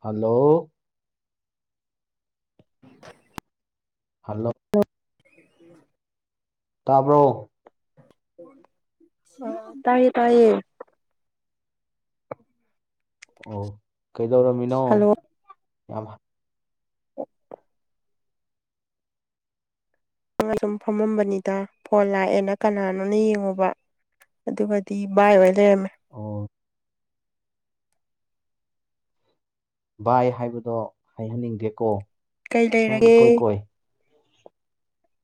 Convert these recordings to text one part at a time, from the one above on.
hello [unintelligible] hello ꯑꯣꯝ [inaudible] ꯇꯥꯕ꯭ꯔꯣ ꯇꯥꯏꯌꯦ ꯇꯥꯏꯌ‌ꯦ ꯑꯣ ꯀꯩꯗꯧꯔꯝꯃꯤꯅꯣ ꯌꯥꯝ ꯑꯣ ꯅꯪ ꯑ ꯁꯨꯝ ꯐꯝꯃꯝꯕꯅꯤꯗ ꯐꯣꯟ ꯂꯥꯛꯑꯦꯅ ꯀꯅꯥꯅꯣꯅ ꯌꯦꯡꯉꯨꯕ ꯑꯗꯨꯒꯗꯤ ꯕꯥꯏ ꯑꯣꯏ ꯂꯩꯔꯝꯃꯦ ꯑꯣ ꯕꯥꯏ ꯍꯥꯏꯕꯗꯣ ꯍꯥꯏꯍꯟꯅꯤꯡꯗꯦꯀꯣ ꯀꯩ ꯂꯩꯔꯒꯦ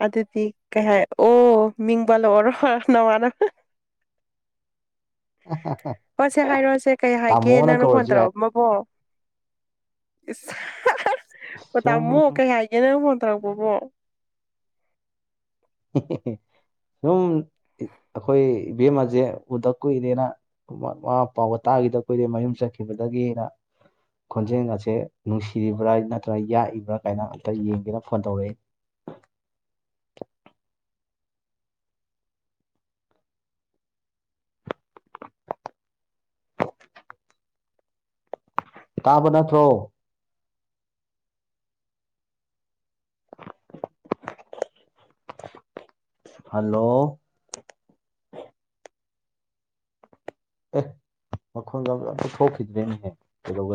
ꯑꯗꯨꯗꯤ ꯀꯩ ꯍꯥꯏ ꯑꯣ ꯃꯤꯡꯄꯜꯂꯛꯑꯣꯔ ꯅꯋꯥꯔꯣ ꯑ [unintelligible] ꯍꯣꯏꯁꯦ ꯍꯥꯏꯔꯛꯑꯣꯁꯦ ꯀꯩ ꯍꯥꯏꯒꯦ ꯅꯪ ꯐꯣꯟ ꯇꯧꯔꯛ ꯃꯕꯣ ꯏꯁ ꯍꯣ ꯇꯥꯃꯣ ꯀꯩ ꯍꯥꯏ ꯒꯦ ꯅꯪ ꯐꯣꯟ ꯇꯧꯔꯛꯄꯥꯕꯣ ꯁꯨꯝ ꯑꯩꯈꯣꯏ ꯏꯕꯦꯝꯃꯖꯦ ꯎꯗꯥ ꯀꯨꯏꯔꯦꯅ ꯃꯥ ꯃꯥꯋꯥ ꯄꯥꯎ ꯋꯥ ꯇꯥꯒꯤꯗ ꯀꯨꯏꯔꯦ ꯃꯌꯨꯝ ꯆꯠꯈꯤꯕꯗꯒꯤꯅ ꯈꯣꯟꯖꯦꯜ ꯒꯁꯦ ꯅꯨꯡꯁꯤꯔꯤꯕ꯭ꯔꯥ ꯅꯠꯇ꯭ꯔꯒ ꯌꯥꯛꯏꯕ꯭ꯔꯥ ꯀꯥꯏꯅ ꯑꯝꯇ ꯌꯦꯡꯒꯦꯅ ꯐꯣꯟ ꯇꯧꯔꯛꯏ ꯇꯥꯕ ꯅꯠꯇ꯭ꯔꯣ [unintelligible] ꯍꯜꯂꯣ ꯑꯦ ꯃꯈꯣꯟꯒ ꯑꯝꯗ ꯊꯣꯛꯈꯤꯗꯔꯦꯅꯦ ꯍꯦ ꯀꯩꯗꯧꯒ